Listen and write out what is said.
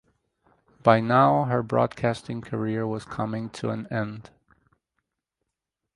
By now her broadcasting career was coming to an end.